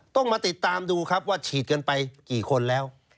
ต้องมาติดตามดูครับว่าฉีดกันไปกี่คนแล้ว